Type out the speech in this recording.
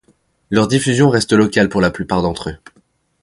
Leur diffusion reste locale pour la plupart d'entre eux.